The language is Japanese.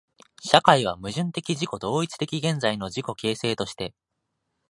社会は矛盾的自己同一的現在の自己形成として、